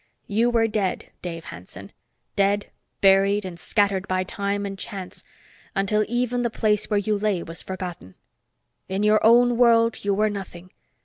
"You were dead, Dave Hanson. Dead, buried, and scattered by time and chance until even the place where you lay was forgotten. In your own world, you were nothing.